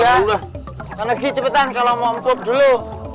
yaudah cepetan kalau mau empuk dulu